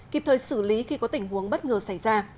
kịp thời xử lý khi có tình huống bất ngờ xảy ra